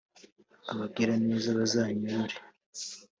Abagiraneza bazanyorore.